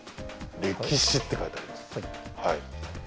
「歴史」って書いてあります。